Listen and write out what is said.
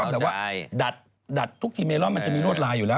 แล้วก็แต่ว่าดัดทุกที่เมร่อนมันจะมีรวดลายอยู่แล้ว